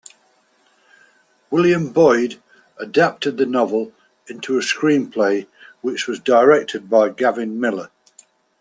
William Boyd adapted the novel into a screenplay, which was directed by Gavin Millar.